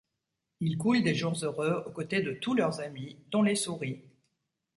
Ils coulent des jours heureux aux côtés de tous leurs amis, dont les souris.